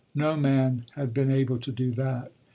No man had been able to do that.